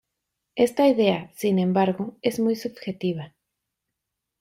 Esta idea, sin embargo, es muy subjetiva.